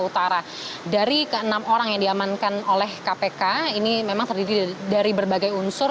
utara dari ke enam orang yang diamankan oleh kpk ini memang terdiri dari berbagai unsur